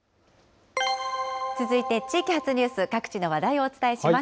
続いて地域発ニュース、各地の話題をお伝えします。